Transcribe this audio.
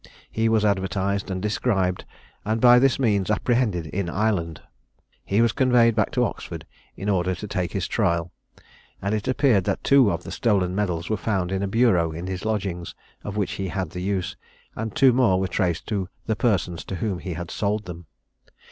He was advertised and described, and by this means apprehended in Ireland. He was conveyed back to Oxford, in order to take his trial; and it appeared that two of the stolen medals were found in a bureau in his lodgings, of which he had the use; and two more were traced to the persons to whom he had sold them.